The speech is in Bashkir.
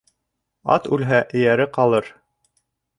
Ат үлһә, эйәре ҡалыр.